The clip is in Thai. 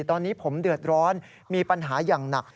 ตอนนี้ผมเดือดร้อนมีปัญหาอย่างหนัก